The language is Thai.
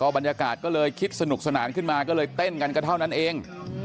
บรรยากาศก็เลยคิดสนุกสนานขึ้นมาก็เลยเต้นกันก็เท่านั้นเอง